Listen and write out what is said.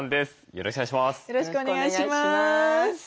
よろしくお願いします。